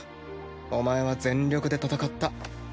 お前は全力で戦った。